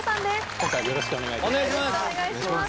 今回よろしくお願いいたします